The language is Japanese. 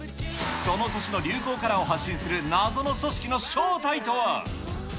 その年の流行カラーを発信する謎の組織の正体とは。